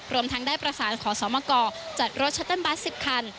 รวมทั้งได้ประสานขอสมกจัดรถชัตเติ้ลบัส๑๐คัน